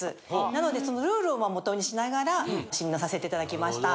なのでそのルールをもとにしながら診断させていただきました。